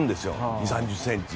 ２０３０ｃｍ。